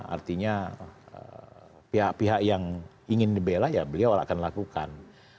artinya pihak pihak yang ingin dibela ya beliau akan lakukan